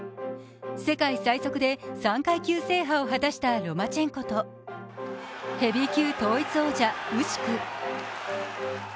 世界最速で３階級制覇を果たしたロマチェンコとヘビー級統一王者・ウシク。